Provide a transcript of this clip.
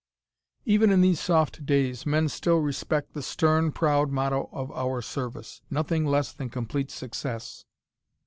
Even in these soft days, men still respect the stern, proud motto of our service: "Nothing Less Than Complete Success."